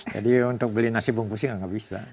jadi untuk beli nasi bungkusnya gak bisa